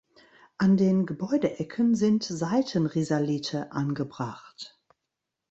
An den Gebäudeecken sind Seitenrisalite angebracht.